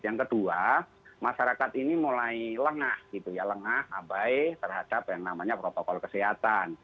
yang kedua masyarakat ini mulai lengah abai terhadap yang namanya protokol kesehatan